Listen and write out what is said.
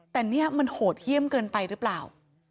แต่เนี่ยมันโหดเยี่ยมเกินไปหรือเปล่า